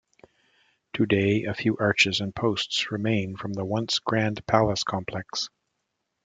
Today, a few arches and posts remain from the once grand palace complex.